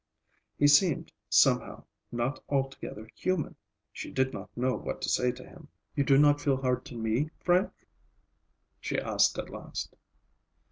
He seemed, somehow, not altogether human. She did not know what to say to him. "You do not feel hard to me, Frank?" she asked at last.